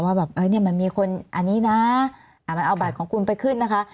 ว่าแบบมันมีคนอันนี้นะมันเอาบัตรของคุณไปขึ้นนะคะ